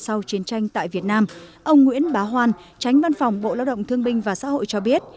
sau chiến tranh tại việt nam ông nguyễn bá hoan tránh văn phòng bộ lao động thương binh và xã hội cho biết